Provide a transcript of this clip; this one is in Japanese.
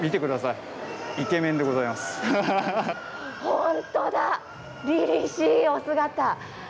本当だ、りりしいお姿。